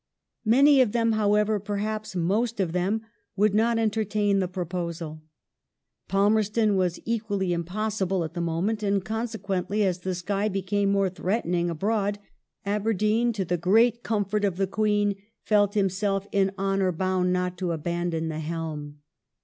Many of them, however, perhaps most of them, would not entertain the proposal. Palmerston was equally impossible at the moment, and consequently, as the sky became more threatening abroad, Aberdeen, to the great comfort of the Queen, felt himself in honour bound not to abandon the helm.